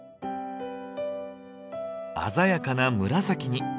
鮮やかな紫に。